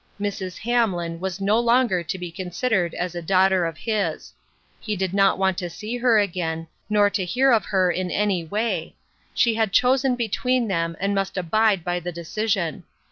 Mrs. Hamlin was no longer to be considered as a daughter of his ; he did not want to see her again, nor to hear of her in any way ; she had chosen between them, and must abide by the decision.